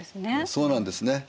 そうなんですね。